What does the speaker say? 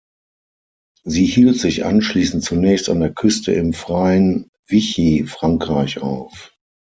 Sie hielt sich anschließend zunächst an der Küste im „freien“ Vichy-Frankreich auf.